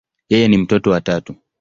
Yeye ni mtoto wa tatu.